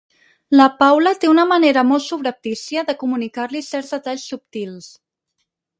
La Paula té una manera molt subreptícia de comunicar-li certs detalls subtils.